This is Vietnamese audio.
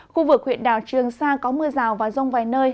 khu vực huyện đảo trường sa có mưa rào và rông vài nơi